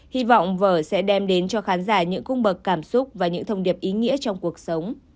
hy vọng vở sẽ đem đến cho khán giả những cung bậc cảm xúc và những thông điệp ý nghĩa trong cuộc sống